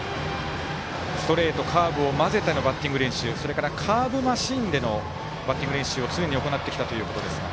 ストレート、カーブを交ぜてのバッティング練習それからカーブマシーンでのバッティング練習を常に行ってきたということです。